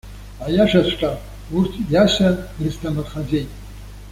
Аиашаҵәҟьа, урҭ Иаса дрызҭамырхаӡеит.